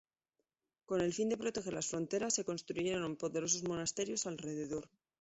Con el fin de proteger las fronteras se construyeron poderosos monasterios alrededor.